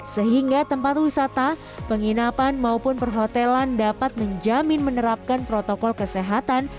sehingga tempat wisata penginapan maupun perhotelan dapat menjamin menerapkan protokol kesehatan